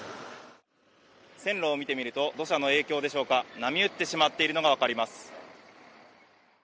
線路を見てみると、土砂の影響でしょうか、波打ってしまっているのが分かります。